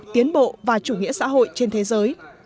tiến bộ và chủ nghĩa xã hội trên thế giới